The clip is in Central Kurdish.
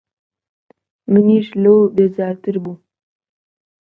منیش لەو بێزارتر بووم.